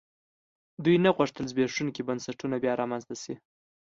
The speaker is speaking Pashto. دوی نه غوښتل زبېښونکي بنسټونه بیا رامنځته شي.